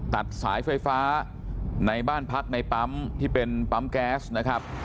ตัดสายไฟฟ้าในบ้านพักในปั๊มที่เป็นปั๊มแก๊สนะครับ